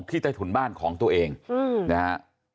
ใต้ถุนบ้านของตัวเองนะฮะ